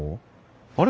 あれ？